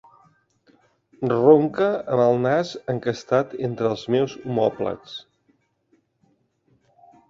Ronca amb el nas encastat entre els meus omòplats.